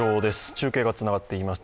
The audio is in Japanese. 中継がつながっています。